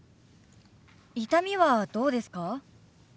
痛みはどうですか？